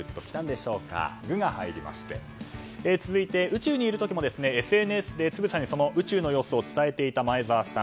「グ」が入りまして宇宙にいる時もＳＮＳでつぶさに宇宙の様子を伝えていた前澤さん。